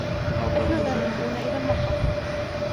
نحن ذاهبون إلى المطبخ.